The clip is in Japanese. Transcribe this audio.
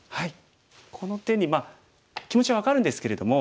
この手にまあ気持ちは分かるんですけれども。